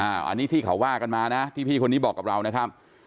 อันนี้ที่เขาว่ากันมานะที่พี่คนนี้บอกกับเรานะครับ